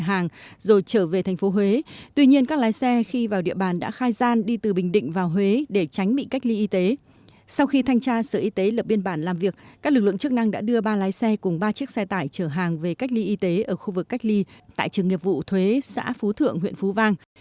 trong địa bàn làm việc các lực lượng chức năng đã đưa ba lái xe cùng ba chiếc xe tải chở hàng về cách ly y tế ở khu vực cách ly tại trường nghiệp vụ thuế xã phú thượng huyện phú vang